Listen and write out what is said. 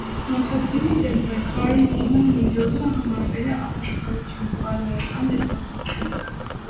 Հանցանքների դեմ պայքարի հիմն. միջոցը համարվել է ապաշխարությունը, բարոյական ներգործությունը։